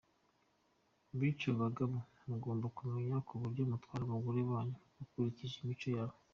Bityo Bagabo mugomba kumenya buryo mutwara abagore banyu mukurikije imico yabo.